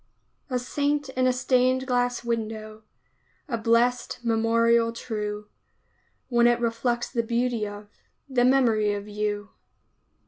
A Saint in a stained glass window, A blest memorial true, When it reflects the beauty of The memory of you.